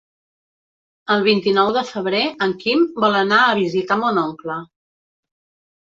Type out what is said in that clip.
El vint-i-nou de febrer en Quim vol anar a visitar mon oncle.